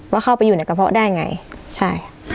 ว่าเข้าไปอยู่ในกระเพาะได้ไงใช่